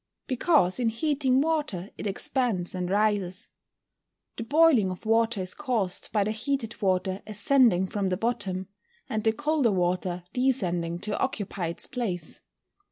_ Because in heating water it expands and rises. The boiling of water is caused by the heated water ascending from the bottom, and the colder water descending to occupy its place.